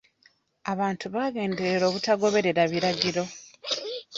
Abantu bagenderera obutagoberera biragiro.